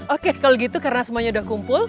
oke kalau gitu karena semuanya udah kumpul